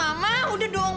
mama udah dong